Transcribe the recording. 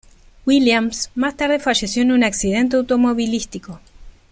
Williams más tarde falleció en un accidente automovilístico.